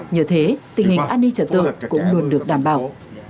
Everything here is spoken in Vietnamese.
nhờ thế tình hình an ninh trở tượng cũng luôn được đảm bảo